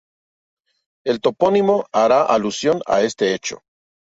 El topónimo hará alusión a este hecho.